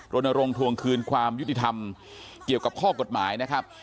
รณรงค์ทวงคืนความยุติธรรมเกี่ยวกับข้อกฎหมายนะครับ